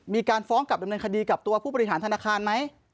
มีการฟ้องกลับดำเนินคดีกับตัวผู้บริหารธนาคารไหม